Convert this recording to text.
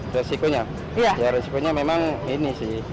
resikonya ya risikonya memang ini sih